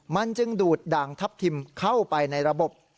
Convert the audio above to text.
มันจึงดูดด่างทัพทิมเข้าไปในระบบ